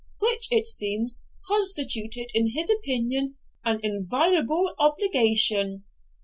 ] which, it seems, constituted, in his opinion, an inviolable obligation.'